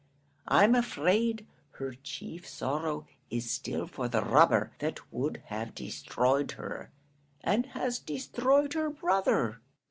I'm afraid her chief sorrow is still for the robber that would have destroyed her, and has destroyed her brother."